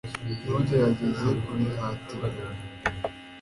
ntugerageze kubihatira